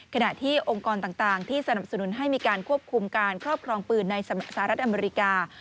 ขณะที่องค์กรต่างที่สนับสนุนให้มีการควบคุมการครอบครองปืนในสหรัฐอเมริกา